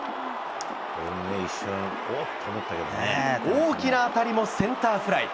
大きな当たりもセンターフライ。